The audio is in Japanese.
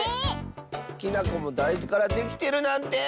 きなこもだいずからできてるなんて！